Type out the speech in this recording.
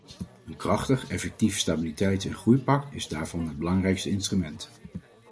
Een krachtig, effectief stabiliteits- en groeipact is daarvan het belangrijkste instrument.